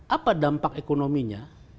apa dampak ekonominya